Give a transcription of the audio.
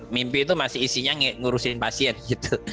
mimpi itu masih isinya ngurusin pasien gitu